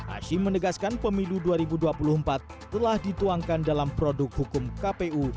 asyim menegaskan pemilu dua ribu dua puluh empat telah dituangkan dalam produk hukum kpu